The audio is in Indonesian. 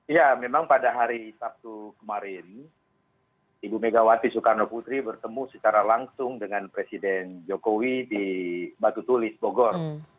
ya memang pada hari sabtu kemarin ibu megawati soekarno putri bertemu secara langsung dengan presiden jokowi di batu tulis bogor